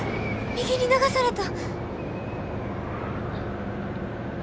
右に流された！